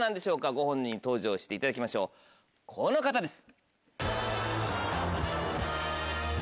ご本人登場していただきましょうこの方です。